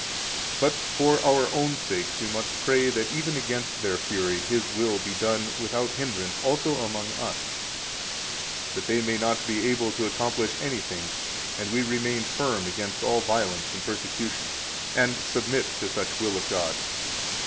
But for our own sakes we must pray that even against their fury His will be done without hindrance also among us, that they may not be able to accomplish anything and we remain firm against all violence and persecution, and submit to such will of God.